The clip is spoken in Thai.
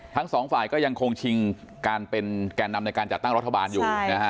ทั้งสองฝ่ายก็ยังคงชิงการเป็นแก่นำในการจัดตั้งรัฐบาลอยู่นะฮะ